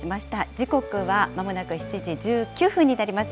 時刻はまもなく７時１９分になります。